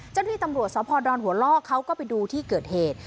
เจ้าหน้าที่ตำรวจสพดอนหัวล่อเขาก็ไปดูที่เกิดเหตุ